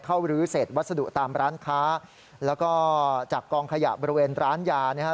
เข้ารื้อเสร็จวัสดุตามร้านค้าแล้วก็จับกองขยะบริเวณร้านยานี่ฮะ